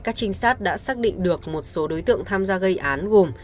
các trinh sát đã xác định được một số đối tượng tham gia gây án gồm